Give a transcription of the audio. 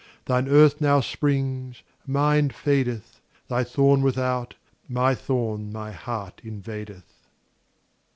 10 Thine earth now springs, mine fadeth; Thy thorn without, my thorn my heart invadeth.